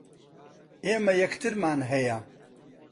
ئێمە یەکترمان ھەیە.